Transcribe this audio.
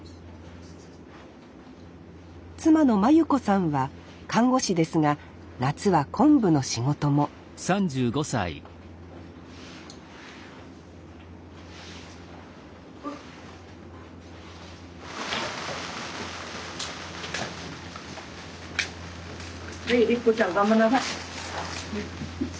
妻の麻由子さんは看護師ですが夏は昆布の仕事もはい礼子ちゃんがんばんなさい。